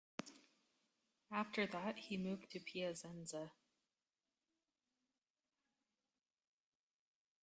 After that he moved to Piacenza.